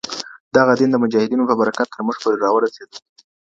دغه دين د مجاهدینو په برکت تر موږ پوري راورسېدی.